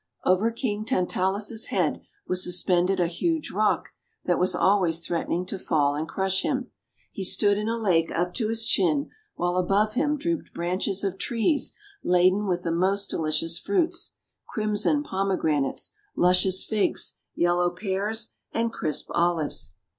Over King Tantalus' head was suspended a huge rock that was always threatening to fall and crush him. He stood in a lake up to his chin, while above him drooped branches of trees laden with the most delicious fruits — crimson Pomegranates, luscious Figs, yellow Pears, and crisp Olives.